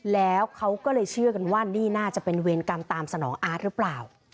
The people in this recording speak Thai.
แล้วเขาก็เลยเชื่อกันว่านี่น่าจะเป็นเวรกรรมตามสนองอาร์ตหรือเปล่า